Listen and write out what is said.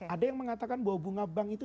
ada yang mengatakan bahwa bunga bank itu